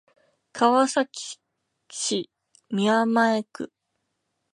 川崎市宮前区